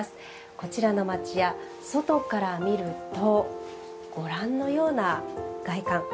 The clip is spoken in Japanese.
こちらの町家外から見るとご覧のような外観。